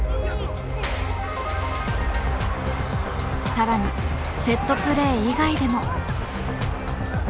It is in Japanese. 更にセットプレー以外でも。